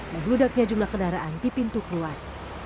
dan bludaknya jumlah kendaraan di pintu keluar